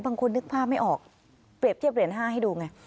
บางคนนึกภาพไม่ออกเปรียบเทียบเหรียญ๕ให้ดูไง